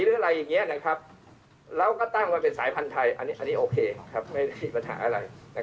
เราก็ตั้งไว้เป็นสายพันธุ์ไทยอันนี้โอเคไม่ได้ปัญหาอะไร